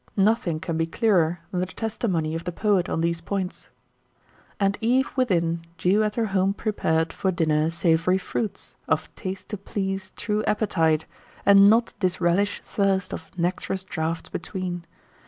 Nothing can be clearer than the testimony of the poet on these points: "And Eve within, due at her home prepared For dinner savoury fruits, of taste to please True appetite, and not disrelish thirst Of nectarous draughts between....